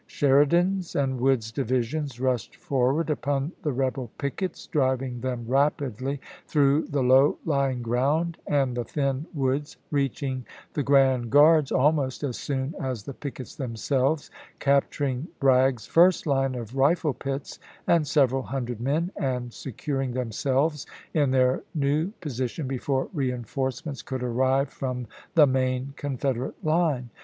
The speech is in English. Sheridan's and Wood's divisions rushed forward upon the rebel pickets, driving them rapidly through the low lying ground and the thin woods, reaching the gi and guards almost as soon as the pickets themselves, captui'ing Bragg's first line of rifle pits and several hundred men, and securing themselves in their new position before reenforce ments could arrive from the main Confederate line.